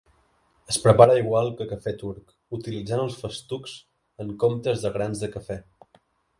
Es prepara igual que cafè turc, utilitzant els festucs en comptes de grans de cafè.